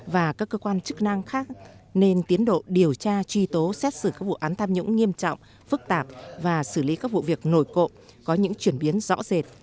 và các cơ quan chức năng khác nên tiến độ điều tra truy tố xét xử các vụ án tham nhũng nghiêm trọng phức tạp và xử lý các vụ việc nổi cộ có những chuyển biến rõ rệt